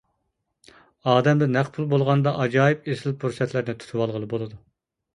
ئادەمدە نەق پۇل بولغاندا ئاجايىپ ئېسىل پۇرسەتلەرنى تۇتۇۋالغىلى بولىدۇ.